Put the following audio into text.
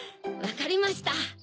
わかりました